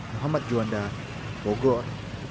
mohamad juanda bogor